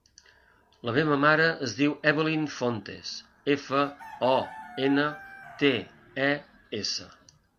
La meva mare es diu Evelyn Fontes: efa, o, ena, te, e, essa.